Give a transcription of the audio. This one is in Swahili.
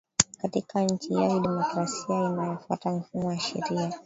katika nchi hiyo ya kidimokrasia inayofuata mifumo ya sheria